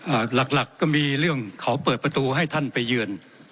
หลักหลักก็มีเรื่องขอเปิดประตูให้ท่านไปเยือน